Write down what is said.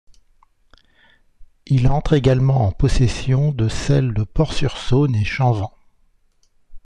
Il entre également en possession de celles de Port-sur-Saône et Champvans.